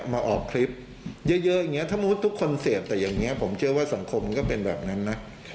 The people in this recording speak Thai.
ถ้าเมื่อทุกคนเสพแต่อย่างเงี้ยผมเจอว่าสังคมมันก็เป็นแบบนั้นนะ